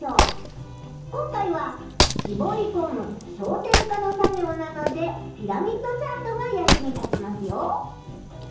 今回はしぼりこむ「焦点化」の作業なのでピラミッドチャートが役に立ちますよ。